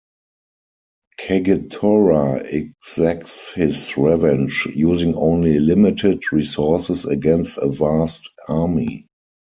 Kagetora exacts his revenge, using only limited resources against a vast army.